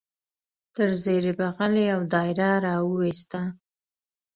تر زیر بغل یې یو دایره را وایسته.